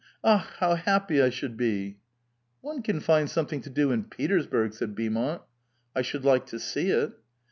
Akhl how happy I should be !"^^ One can find something to do in Peteraburg," said Beaumont. *' I should like to see it."